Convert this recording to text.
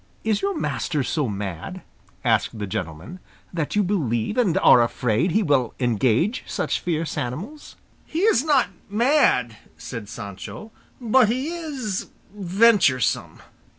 "Is your master then so mad," asked the gentleman, "that you believe and are afraid he will engage such fierce animals?" "He is not mad," said Sancho, "but he is venturesome."